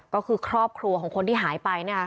ก็คือครอบครัวของคนที่หายไป